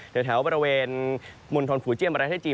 ในแถวบริเวณมุนทรภูเจียมประเทศจีน